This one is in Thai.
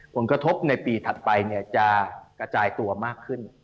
ผลกระทบในปีถัดไปจะกระจายตัวมากขึ้น